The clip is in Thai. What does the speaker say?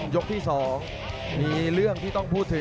ยกที่๒มีเรื่องที่ต้องพูดถึง